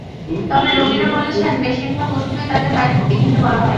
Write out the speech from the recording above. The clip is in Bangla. তবে রোগীরা বলেছেন, বেশির ভাগ ওষুধই তাঁদের বাইরে থেকে কিনতে বলা হয়।